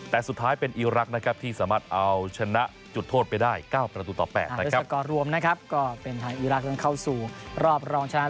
แต่สุดท้ายเป็นอีรักษ์นะครับที่สามารถเอาชนะจุดโทษไปได้๙ประตูต่อ๘นะครับ